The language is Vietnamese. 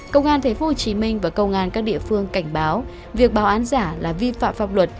công an tp hcm và công an các địa phương cảnh báo việc báo án giả là vi phạm pháp luật